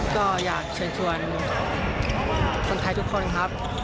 ก็อยากเชิญชวนคนไทยทุกคนครับ